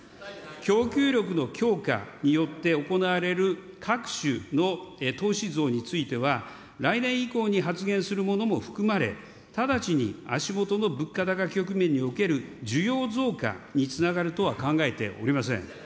供給力の強化によって行われる各種の投資増については、来年以降に発現するものも含まれ、直ちに足下の物価高局面における需要増加につながるとは考えておりません。